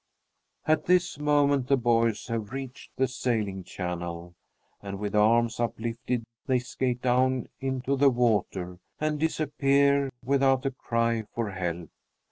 At this moment the boys have reached the sailing channel, and, with arms uplifted, they skate down into the water and disappear without a cry for help.